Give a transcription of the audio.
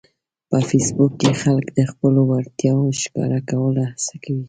په فېسبوک کې خلک د خپلو وړتیاوو ښکاره کولو هڅه کوي